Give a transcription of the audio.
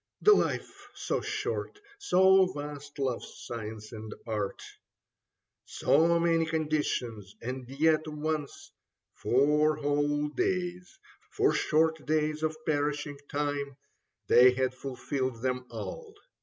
The life so short, so vast love's science and art. So many conditions — and yet, once, Four whole days. Four short days of perishing time, They had fulfilled them all.